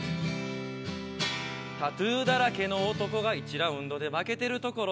タトゥーだらけの男が１ラウンドで負けてるところ